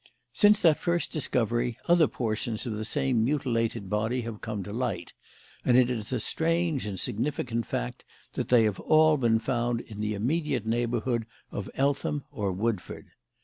Since that first discovery, other portions of the same mutilated body have come to light; and it is a strange and significant fact that they have all been found in the immediate neighbourhood of Eltham or Woodford.